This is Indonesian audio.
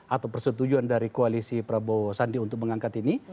atau persetujuan dari koalisi prabowo sandi untuk mengangkat ini